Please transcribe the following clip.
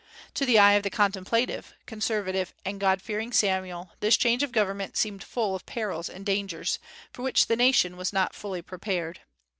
To the eye of the contemplative, conservative, and God fearing Samuel this change of government seemed full of perils and dangers, for which the nation was not fully prepared.